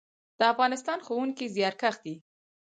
د افغانستان ښوونکي زیارکښ دي